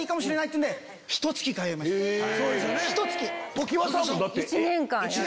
常盤さんも。